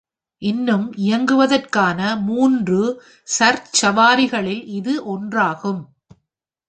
இன்னும் இயங்குவதற்கான மூன்று சர்ச் சவாரிகளில் இது ஒன்றாகும்.